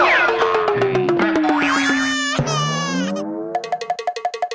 อืม